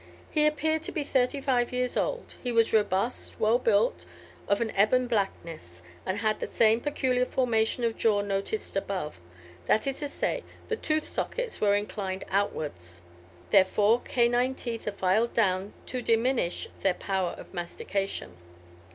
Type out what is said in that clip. He appeared to be thirty five years old; he was robust, well built, of an ebon blackness, and had the same peculiar formation of jaw noticed above; that is to say, the tooth sockets were inclined outwards. Their four canine teeth are filed down, to diminish their power of mastication.